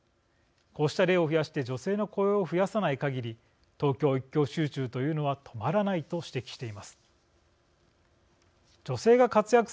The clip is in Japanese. こうした例を増やして女性の雇用を増やさないかぎり東京一極集中というのは止まらない」と指摘しています。